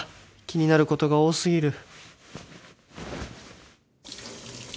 気になることが多過ぎる